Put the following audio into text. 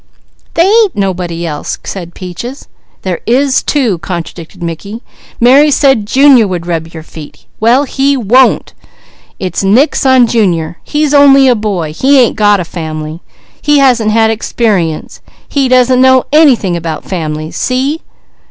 "They ain't nobody else!" said Peaches. "There is too!" contradicted Mickey. "Mary said Junior would rub your feet! Well he won't! It's nix on Junior! _He's only a boy! He ain't got a family. He hasn't had experience. He doesn't know anything about families! See?